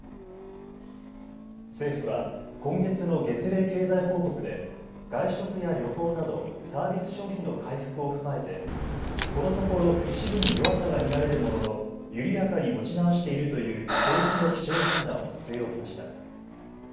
政府は今月の月例経済報告で外食や旅行などサービス消費の回復を踏まえてこのところ一部に弱さが見られるものの緩やかに持ち直しているという景気の基調判断を据え置きました。